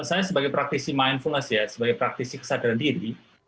saya sebagai praktisi mindfulness ya sebagai praktisi kesadaran diri